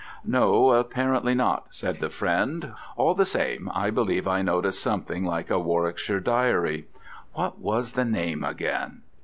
"No, apparently not," said the friend. "All the same, I believe I noticed something like a Warwickshire diary. What was the name again?